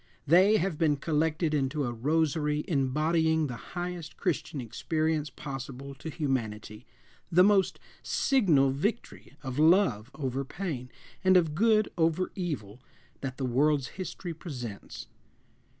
They have been collected into a rosary embodying the highest Christian experience possible to humanity, the most signal victory of love over pain and of good over evil that the world's history presents.